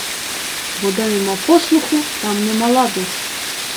Бо де нема послуху, там нема ладу!